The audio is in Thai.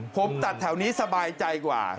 ผมตัดแถวนี้สบายใจกว่า